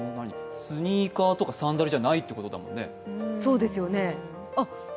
スニーカーとかサンダルじゃないってことだもんね。